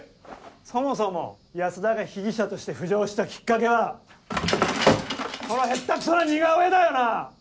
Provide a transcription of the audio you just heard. そもそも安田が被疑者として浮上したきっかけはこの下っ手クソな似顔絵だよな！